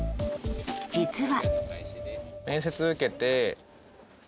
実は。